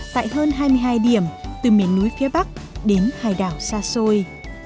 tại hơn hai mươi hai điểm từ miền núi phía bắc đến hải đảo xa xôi